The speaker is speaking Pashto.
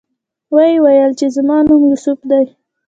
ویې ویل چې زما نوم یوسف دی.